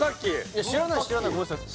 知らない知らないごめんなさい